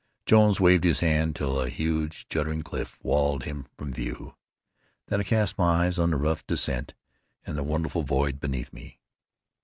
Jones waved his hand till a huge jutting cliff walled him from view. Then I cast my eyes on the rough descent and the wonderful void beneath me.